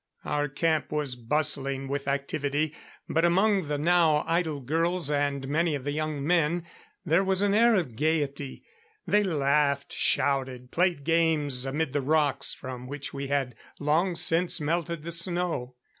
Our camp was bustling with activity, but among the now idle girls and many of the young men, there was an air of gayety. They laughed, shouted, played games amid the rocks from which we had long since melted the snow.